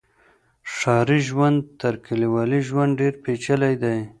ښاري ژوند تر کلیوالي ژوند ډیر پیچلی دی.